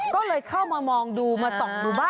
ก็เลยเข้ามามองดูมาตกรู้ป่ะ